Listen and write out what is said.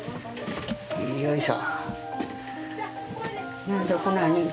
よいしょ。